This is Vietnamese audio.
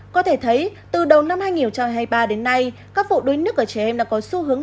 có thể thấy từ đầu năm hai nghìn hai mươi ba đến nay các vụ đuối nước ở trẻ em đã có xu hướng